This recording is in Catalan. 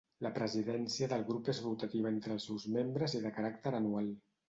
La presidència del grup és rotativa entre els seus membres i de caràcter anual.